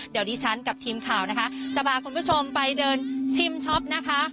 เดี๋ยวดิฉันกับทีมข่าวนะคะจะพาคุณผู้ชมไปเดินชิมช็อปนะคะ